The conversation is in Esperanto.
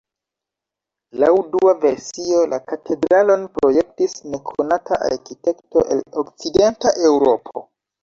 Laŭ dua versio la katedralon projektis nekonata arkitekto el Okcidenta Eŭropo.